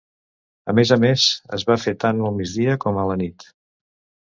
A més a més es va fer tant al migdia com a la nit.